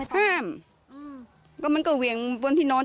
ถามไม่ได้ห้ามไม่ต้อง